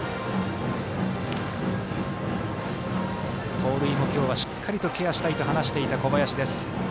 盗塁も今日はしっかりケアしたいと話していた小林。